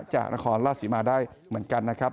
จากนครราชศรีมาได้เหมือนกันนะครับ